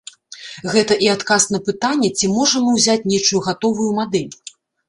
Гэта і адказ на пытанне, ці можам мы ўзяць нечую гатовую мадэль?